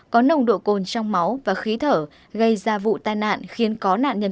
có nồng độ cồn trong máu và khí thở gây ra vụ tai nạn khiến có nạn nhân